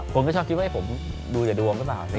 ไม่ชอบคิดว่าผมดูแต่ดวงหรือเปล่า